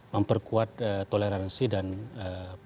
memperkuat toleransi dan persatuan